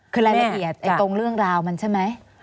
คือรายละเอียดตรงเรื่องราวมันใช่ไหม